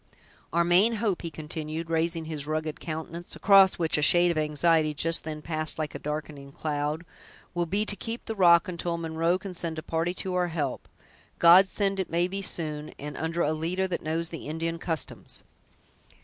Our main hope," he continued, raising his rugged countenance, across which a shade of anxiety just then passed like a darkening cloud, "will be to keep the rock until Munro can send a party to our help! God send it may be soon and under a leader that knows the Indian customs!"